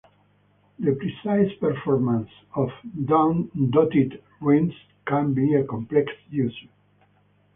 The precise performance of dotted rhythms can be a complex issue.